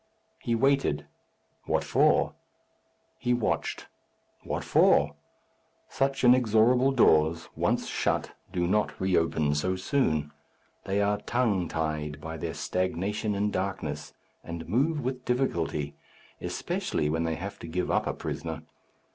He waited. What for? He watched. What for? Such inexorable doors, once shut, do not re open so soon. They are tongue tied by their stagnation in darkness, and move with difficulty, especially when they have to give up a prisoner.